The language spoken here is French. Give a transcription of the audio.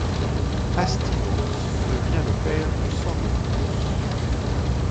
Astynoos devient le père de Sandocos.